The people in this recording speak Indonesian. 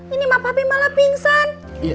ini mah papi malah pingsan